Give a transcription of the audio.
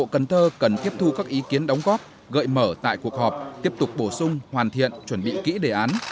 cần thơ cần tiếp thu các ý kiến đóng góp gợi mở tại cuộc họp tiếp tục bổ sung hoàn thiện chuẩn bị kỹ đề án